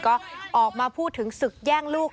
ก็ออกมาพูดถึงศึกแย่งลูก